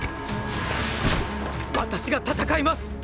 私が戦います！